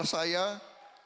adri ocadoia merabut